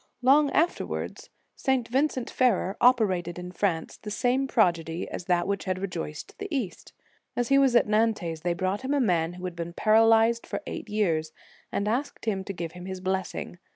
Long afterwards, St. Vincent Ferrer ope * Vila, c. xlvi. In the Nineteenth Century. 167 rated in France the same prodigy as that which had rejoiced the East. As he was at Nantes, they brought him a man who had been paralyzed for eighteen years, and asked him to give him his blessing.